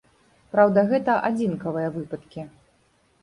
Праўда, гэта адзінкавыя выпадкі.